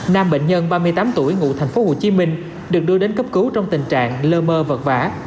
nam bệnh nhân ba mươi tám tuổi ngụ tp hcm được đưa đến cấp cứu trong tình trạng lơ mơ vật vã